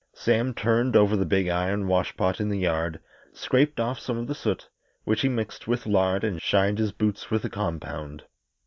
Sam turned over the big iron wash pot in the yard, scraped off some of the soot, which he mixed with lard and shined his boots with the compound.